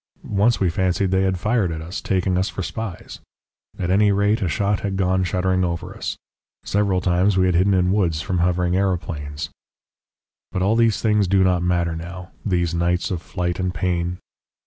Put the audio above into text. Once we fancied they had fired at us, taking us for spies at any rate a shot had gone shuddering over us. Several times we had hidden in woods from hovering aeroplanes. "But all these things do not matter now, these nights of flight and pain....